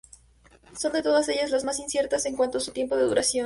Son, de todas ellas, las más inciertas en cuanto a su tiempo de duración.